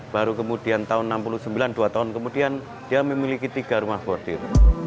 baru kemudian tahun seribu sembilan ratus enam puluh sembilan dua tahun kemudian dia memiliki tiga rumah bordil